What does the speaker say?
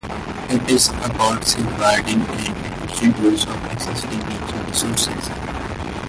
It is about safeguarding and efficient use of existing nature resources.